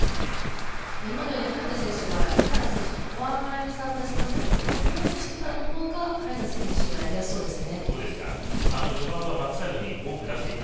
今のように早田選手は木原選手のフォア前にサーブを出しましたけどこのようにしてからの方が早田選手はやりやすそうですね。